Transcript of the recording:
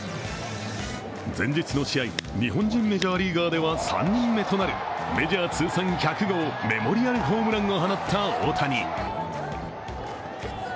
前日の試合、日本人メジャーリーガーでは３人目となるメジャー通算１００号メモリアルホームランを放った大谷。